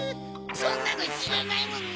そんなのしらないもんね。